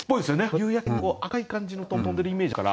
夕焼けに赤い感じの蜻蛉が飛んでるイメージあるから。